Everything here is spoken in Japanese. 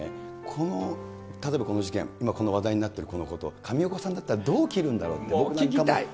この、例えばこの事件、この話題になっているこのこと、上岡さんだったらどう切るんだろうって。